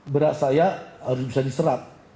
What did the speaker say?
beras saya harus bisa diserap